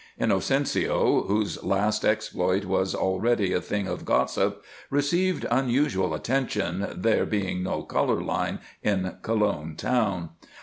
Inocencio, whose last exploit was already a thing of gossip, received unusual attention, there being no color line in Colon town.